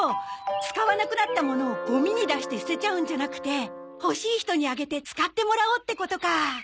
使わなくなったものをゴミに出して捨てちゃうんじゃなくて欲しい人にあげて使ってもらおうってことか。